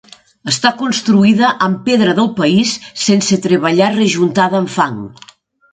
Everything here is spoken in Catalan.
Està construïda amb pedra del país sense treballar rejuntada amb fang.